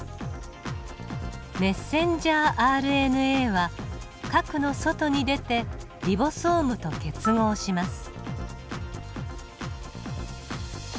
ｍＲＮＡは核の外に出てリボソームと結合します。